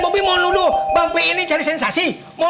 bang pi ini cari sensasi